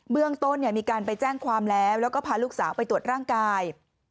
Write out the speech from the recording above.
เรื่องต้นมีการไปแจ้งความแล้วแล้วก็พาลูกสาวไปตรวจร่างกาย